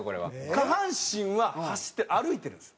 下半身は歩いてるんです。